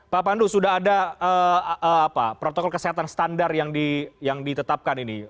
pak pandu sudah ada protokol kesehatan standar yang ditetapkan ini